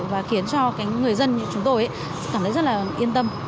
và khiến cho người dân như chúng tôi cảm thấy rất là yên tâm